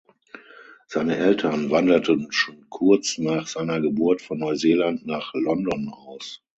Seine Eltern wanderten schon kurz nach seiner Geburt von Neuseeland nach London aus.